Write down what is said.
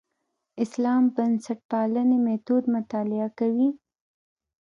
اسلام بنسټپالنې میتود مطالعه کوي.